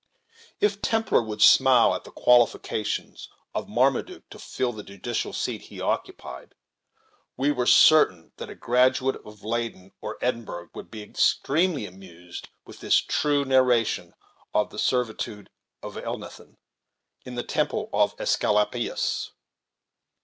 If a Templar would smile at the qualifications of Marmaduke to fill the judicial seat he occupied, we are certain that a graduate of Leyden or Edinburgh would be extremely amused with this true narration of the servitude of Elnathan in the temple of Aesculapius.